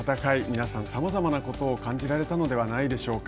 皆さん、さまざまなことを感じられたのではないでしょうか。